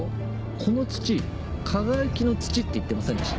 この土「かがやきの土」って言ってませんでした？